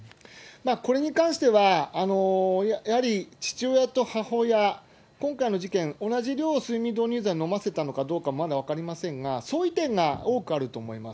これに関しては、やはり父親と母親、今回の事件、同じ量、睡眠導入剤を飲ませたのかどうか、まだ分かりませんが、相違点が多くあると思います。